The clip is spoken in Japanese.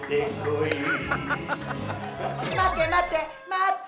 待て待て！待って！